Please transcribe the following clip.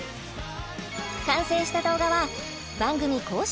完成した動画は番組公式